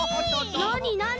なになに？